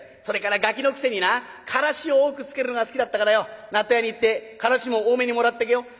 それからガキのくせになからし多くつけるのが好きだったからよ納豆屋に言ってからしも多めにもらっとけよ」。